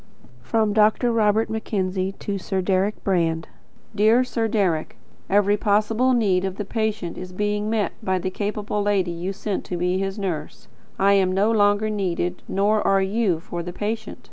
From Dr. Robert Mackenzie to Sir Deryck Brand. Dear Sir Deryck: Every possible need of the patient's is being met by the capable lady you sent to be his nurse. I am no longer needed. Nor are you for the patient.